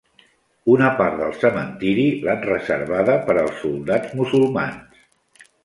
Una part del cementiri l'han reservada per als soldats musulmans.